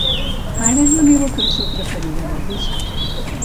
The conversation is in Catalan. Ara, és la meua cançó preferida del disc.